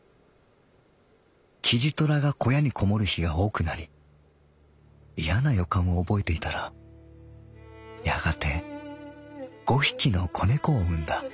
キジトラが小屋にこもる日が多くなり厭な予感をおぼえていたらやがて五匹の仔猫を産んだ」。